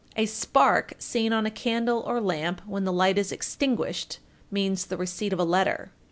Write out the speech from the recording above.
A spark seen on a candle or lamp when the light is extinguished means the receipt of a letter.